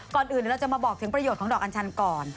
ก่อนอื่นเดี๋ยวเราจะมาบอกถึงประโยชน์ของดอกอัญชันก่อน